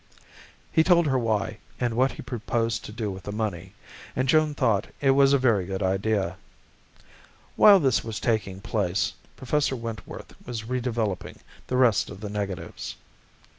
He told her why, and what he proposed to do with the money, and Joan thought it a very good idea. While this was taking place, Professor Wentworth was re developing the rest of the negatives.